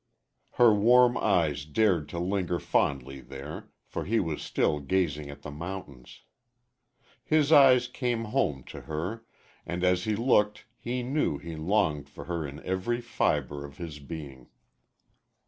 Her warm eyes dared to linger fondly there, for he was still gazing at the mountains. His eyes came home to her, and as he looked he knew he longed for her in every fiber of his being.